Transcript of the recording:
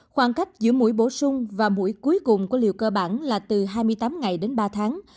khoảng cách giữa mũi bổ sung và mũi cuối cùng của liều cơ bản là từ hai mươi tám ngày đến ba tháng